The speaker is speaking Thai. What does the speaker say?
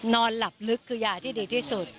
นอนหลับลึกคือยาที่ดีที่สุด